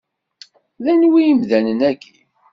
D anwi imdanen-agi?